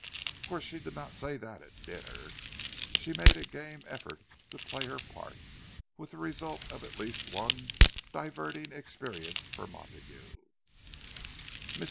Of course she did not say that at dinner,—she made a game effort to play her part,—with the result of at least one diverting experience for Montague. Mrs.